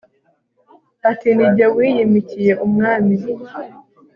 ati ni jye wiyimikiye umwami